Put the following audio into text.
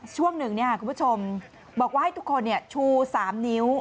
ช่วงหนึ่งเนี่ยคุณผู้ชมบอกว่าให้ทุกคนเนี่ยชู๓นิ้ว